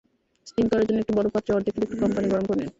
Steam করার জন্য একটি বড় পাত্রে অর্ধেকের একটু কম পানি গরম করে নিন।